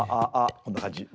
こんな感じ。